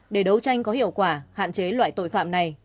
để đấu tranh có hiệu quả hạn chế loại tội phạm này